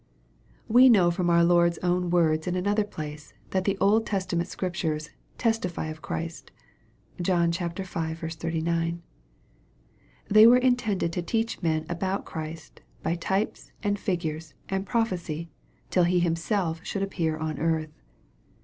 We know, from our Lord's own words in another place, that the Old Testament Scriptures " testify of Christ." (John v. 39.) They were intended to teach men about Christ, by types, and figures, and prophecy, till He Him self should appear on earth.